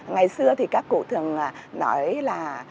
ngày xưa thì các cụ thường nói là